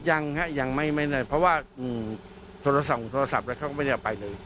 ยังค่ะยังไม่เลยเพราะว่าโทรศัพท์แล้วเขาก็ไม่ได้ไปเลย